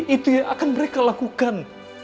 itu yang akan mereka lakukan